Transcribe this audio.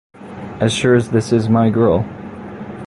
As sure as this is my girl!